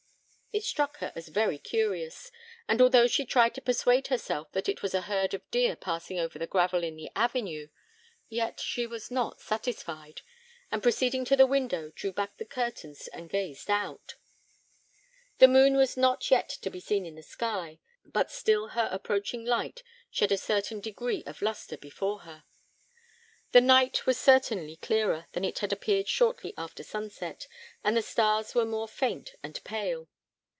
It struck her as very curious; and although she tried to persuade herself that it was a herd of deer passing over the gravel in the avenue, yet she was not satisfied, and proceeding to a window, drew back the curtains and gazed out. The moon was not yet to be seen in the sky, but still her approaching light shed a certain degree of lustre before her. The night was certainly clearer than it had appeared shortly after sunset, and the stars were more faint and pale.